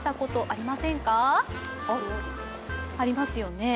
ありますよね。